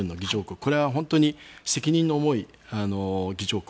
これは本当に責任の重い議長国。